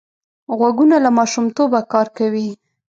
غوږونه له ماشومتوبه کار کوي